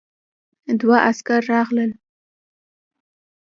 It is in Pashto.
دوه عسکر راغلل.